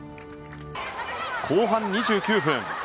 後半２９分。